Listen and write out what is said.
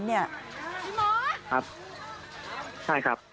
คุณหมอครับใช่ครับ